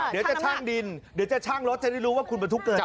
เดี๋ยวจะชั่งดินเดี๋ยวจะชั่งรถจะได้รู้ว่าคุณบรรทุกเกิน